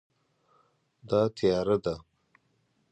دا تیاره ده